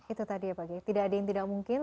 itu tadi ya pak kiai tidak ada yang tidak mungkin